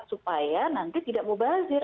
supaya nanti tidak mubazir